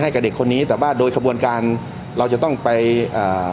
กับเด็กคนนี้แต่ว่าโดยขบวนการเราจะต้องไปอ่า